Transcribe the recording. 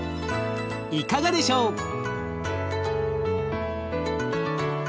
いかがでしょう？